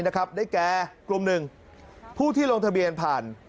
ได้แก่กลุ่มหนึ่งผู้ที่ลงทะเบียนผ่าน